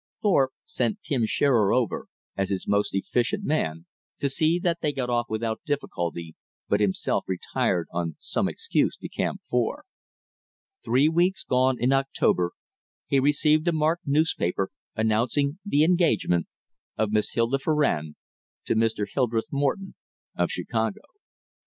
Thorpe sent Tim Shearer over, as his most efficient man, to see that they got off without difficulty, but himself retired on some excuse to Camp Four. Three weeks gone in October he received a marked newspaper announcing the engagement of Miss Hilda Farrand to Mr. Hildreth Morton of Chicago.